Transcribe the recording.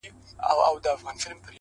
نیک اخلاق خاموشه درناوی زېږوي.!